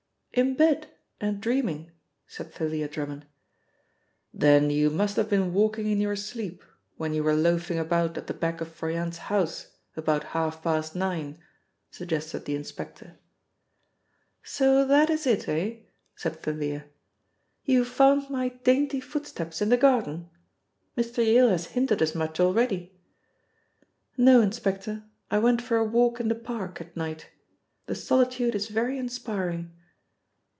"In bed and dreaming," said Thalia Drummond. "Then you must have been walking in your sleep when you were loafing about at the back of Froyant's house about half past nine," suggested the inspector. "So that is it, eh?" said Thalia. "You found my dainty footsteps in the garden? Mr. Yale has hinted as much already. No, inspector, I went for a walk in the park at night. The solitude is very inspiring."